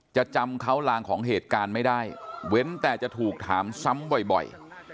จำเขาลางของเหตุการณ์ไม่ได้เว้นแต่จะถูกถามซ้ำบ่อย